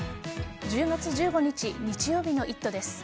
１０月１５日日曜日の「イット！」です。